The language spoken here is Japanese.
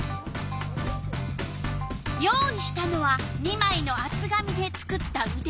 用意したのは２まいのあつ紙で作ったうで。